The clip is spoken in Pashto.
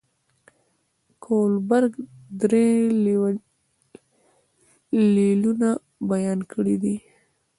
کوهلبرګ درې لیولونه بیان کړي دي.